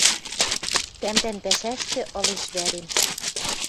Тӓмдӓн пӓшӓштӹ ылеш вӓрем